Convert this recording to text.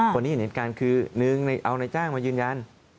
เห็นเหตุการณ์คือหนึ่งในเอานายจ้างมายืนยัน